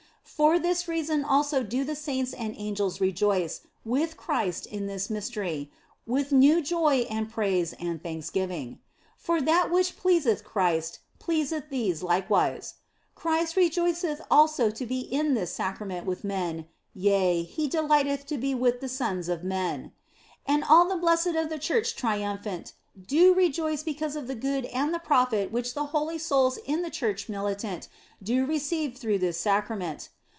For this reason also do the saints and angels rejoice with Christ in this Mystery, with new joy and praise and thanksgiving. For that which pleaseth Christ pleaseth these likewise. Christ rejoiceth also to be in this Sacra ment with men, yea, He delighteth to be with the sons OF FOLIGNO 155 of men. And all the blessed of the church triumphant do rejoice because of the good and the profit which the holy souls in the church militant do receive through this Sacrament.